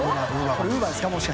これウーバーですか？